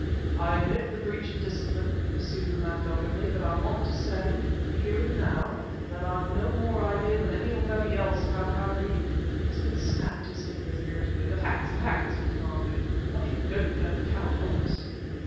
"I admit the breach of discipline," pursued the man doggedly; "but I want to say, here and now, that I've no more idea than anybody else how the " Smith snapped his fingers irritably. "The facts the facts!" he demanded. "What you don't know cannot help us!"